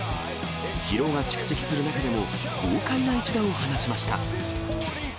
疲労が蓄積する中でも、豪快な一打を放ちました。